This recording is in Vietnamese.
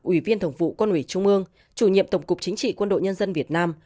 ủy viên thường vụ quân ủy trung ương chủ nhiệm tổng cục chính trị quân đội nhân dân việt nam